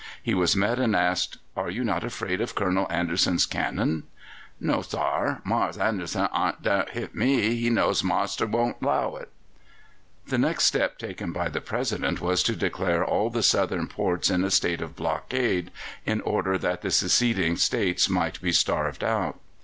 He was met and asked: "Are you not afraid of Colonel Anderson's cannon?" "No, sar. Mars Anderson ain't daresn't hit me. He knows marster wouldn't 'low it." The next step taken by the President was to declare all the Southern ports in a state of blockade, in order that the seceding States might be starved out.